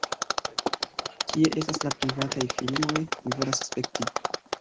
Kie estas la privataj filmoj? Mi volas spekti